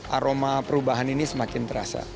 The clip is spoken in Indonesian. aroma perubahan ini semakin terasa